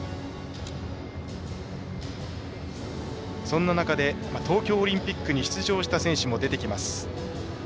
そんな中で、東京オリンピックに出場した選手も出てきます。